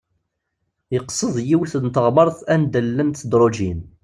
Yeqsed yiwet n teɣmert anda llant tedruǧin.